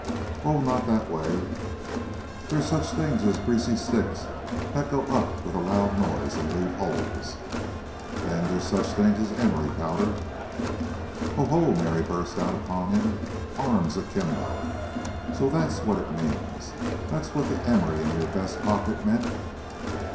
"Oh, not that way. There's such things as greasy sticks that go up with a loud noise and leave holes. There's such things as emery powder " "Oh, ho!" Mary burst out upon him, arms akimbo. "So that's what it means. That's what the emery in your vest pocket meant."